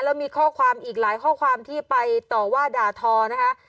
แล้วมีข้อความอีกหลายข้อความที่ไปต่อว่าด่าทอนะคะ